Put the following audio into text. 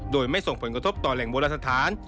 โดยไม่ส่งผลกระทบต่อแหล่งโบราณสถาน